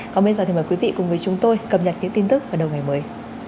còn bây giờ thì mời quý vị cùng với chúng tôi cập nhật những tin tức vào đầu ngày mới